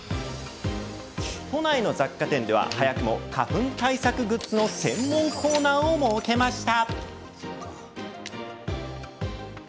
都内の雑貨店では早くも花粉対策グッズの専門コーナーを設けました。